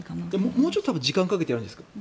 もうちょっと時間をかけてやるんじゃないですか